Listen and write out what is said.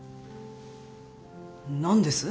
何です？